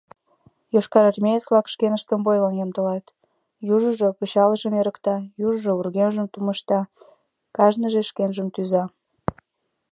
Йошкарармеец-влак шкеныштым бойлан ямдылат: южыжо пычалжым эрыкта, южыжо вургемжым тумышта, кажныже шкенжым тӱза.